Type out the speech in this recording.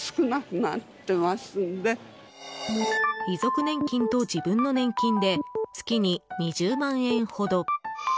遺族年金と自分の年金で月に２０万円ほど。